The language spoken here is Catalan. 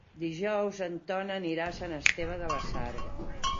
Dijous en Ton anirà a Sant Esteve de la Sarga.